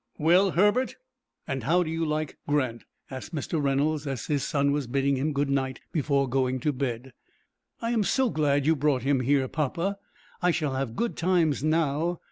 "Well, Herbert, and how do you like Grant?" asked Mr. Reynolds, as his son was bidding him good night before going to bed. "I am so glad you brought him here, papa. I shall have good times now.